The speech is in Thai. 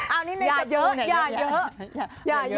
เอานิดนึงกับของหน่อยนี่ฮะ